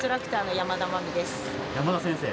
「山田先生」